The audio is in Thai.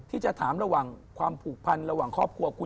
ที่จะถามระหว่างความผูกพันระหว่างครอบครัวคุณ